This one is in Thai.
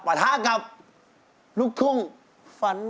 ประทะกับลูกธุงฝันหวาน